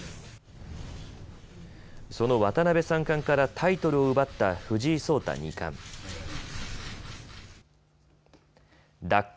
その渡辺三冠からタイトルを奪った藤井聡太二冠。